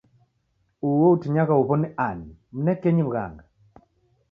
Uo utinyagha huw'o ni ani? Mnekenyi w'ughanga.